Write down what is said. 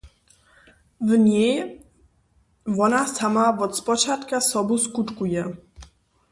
W njej wona sama wot spočatka sobu skutkuje.